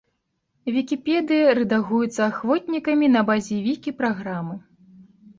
Вікіпедыя рэдагуецца ахвотнікамі на базе вікі праграмы.